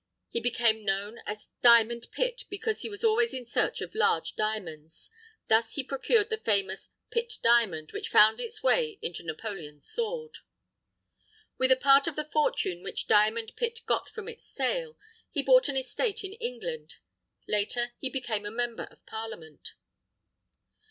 He became known as "Diamond Pitt," because he was always in search of large diamonds. Thus he procured the famous "Pitt Diamond," which found its way into Napoleon's sword. With a part of the fortune which "Diamond Pitt" got from its sale, he bought an estate in England. Later he became a member of Parliament.